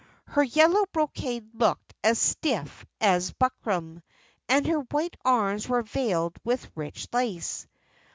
Her yellow brocade looked as stiff as buckram, and her white arms were veiled with rich lace.